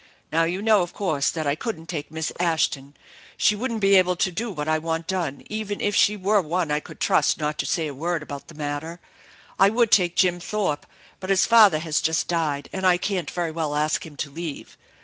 Now you know, of course, that I couldn't take Miss Ashton. She wouldn't be able to do what I want done even if she were one I could trust not to say a word about the matter. I would take Jim Thorpe, but his father has just died and I can't very well ask him to leave.